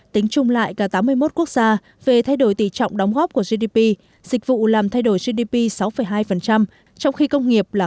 tính chung lại cả tám mươi một quốc gia về thay đổi tỷ trọng đóng góp của gdp dịch vụ làm thay đổi gdp sáu hai trong khi công nghiệp là